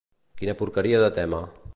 Quina porqueria de tema.